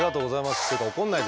っていうか怒んないでよ。